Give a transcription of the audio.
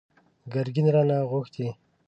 ګرګين رانه غوښتي!